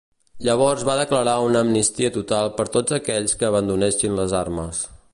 Llavors va declarar una amnistia total per tots aquells que abandonessin les armes.